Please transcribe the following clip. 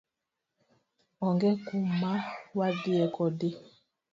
Onge kumawadhie kodi.